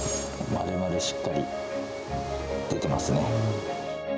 まるまる、しっかり出てますね。